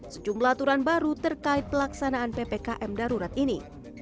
sejumlah aturan baru terkait pelaksanaan ppkm darurat ini